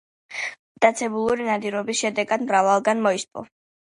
მტაცებლური ნადირობის შედეგად მრავალგან მოისპო.